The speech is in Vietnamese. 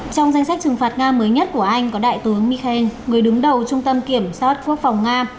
trong danh sách trừng phạt nga mới nhất của anh có đại tướng mikhan người đứng đầu trung tâm kiểm soát quốc phòng nga